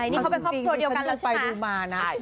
นี่เขาเป็นครอบครัวเดียวกันแล้วใช่ไหม